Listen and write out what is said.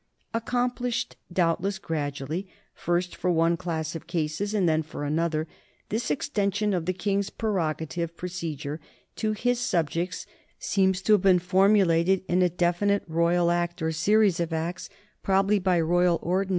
Accomplished doubtless gradually, first for one class of cases and then for another, this ex tension of the king's prerogative procedure to his sub jects seems to have been formulated in a definite royal act or series of acts, probably by royal ordinances or 1 Pollock and Maitland.